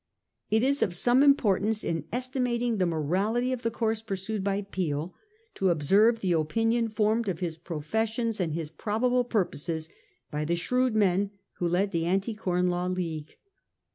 It is of some importance in estimating the morality of the course pursued by Peel, to observe the opinion formed of his professions and his probable purposes by the shrewd men who led the Anti Com Law League.